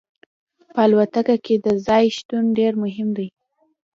په الوتکه کې د ځای شتون ډیر مهم دی